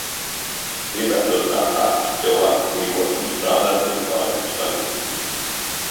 Gribētos, kā katrs cilvēks, dzīvot un strādāt bez baiļu sajūtas.